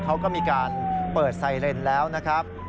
เขาก็มีการเปิดไซเรนแล้วนะครับ